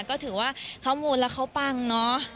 ก็ถือว่าเขามูลแล้วเขาปังเนาะ